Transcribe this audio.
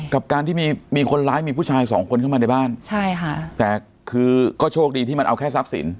กับการที่มีมีคนร้ายมีผู้ชายสองคนเข้ามาในบ้านใช่ค่ะแต่คือก็โชคดีที่มันเอาแค่ทรัพย์สิน